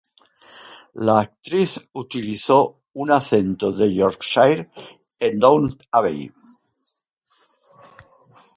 La actriz utilizó un acento de Yorkshire en Downton Abbey.